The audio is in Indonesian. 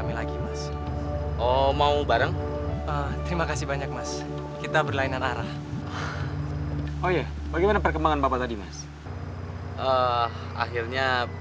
mari mari silahkan